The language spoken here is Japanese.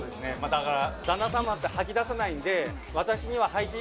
だから。